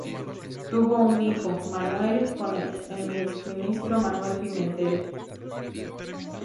Tuvo un hijo, Manuel, con el exministro Manuel Pimentel.